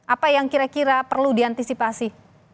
apa yang kira kira perlu diantisipasi